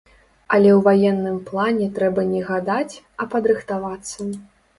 Але ў ваенным плане трэба не гадаць, а падрыхтавацца.